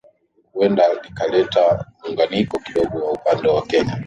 Huenda likaleta manunguniko kidogo kwa upande wa Wakenya